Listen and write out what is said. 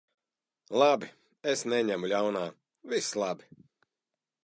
Labi. Es neņemu ļaunā. Viss labi.